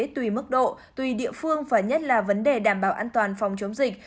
tùy mức độ tùy địa phương và nhất là vấn đề đảm bảo an toàn phòng chống dịch